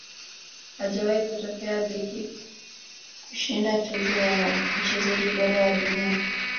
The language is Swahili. hajawahi kutokea beki kushinda tuzo ya mchezaji bora wa dunia